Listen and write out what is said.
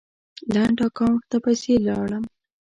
لنډ اکاونټ ته پسې لاړم